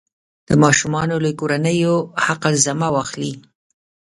د ماشومانو له کورنیو حق الزحمه واخلي.